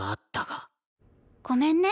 ごめんね。